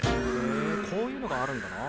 こういうのがあるんだなぁ。